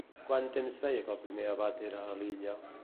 Quant temps feia que el primer abat era a l'illa?